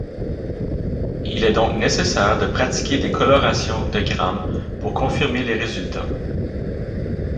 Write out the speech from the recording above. Il est donc nécessaire de pratiquer des colorations de Gram pour confirmer les résultats.